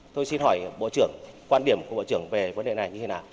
tôi xin hỏi bộ trưởng quan điểm của bộ trưởng về vấn đề này như thế nào